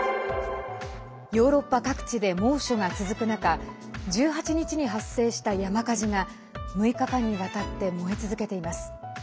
ヨーロッパ各地で猛暑が続く中１８日に発生した山火事が６日間にわたって燃え続けています。